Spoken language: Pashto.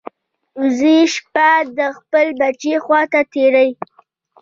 وزې شپه د خپل بچي خوا ته تېروي